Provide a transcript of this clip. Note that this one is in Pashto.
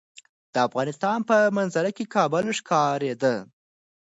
د افغانستان په منظره کې کابل ښکاره ده.